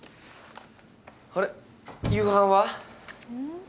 あれ夕飯は？